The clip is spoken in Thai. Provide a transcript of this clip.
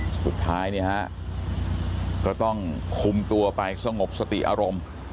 สุดท้ายเนี่ยฮะก็ต้องคุมตัวไปสงบสติอารมณ์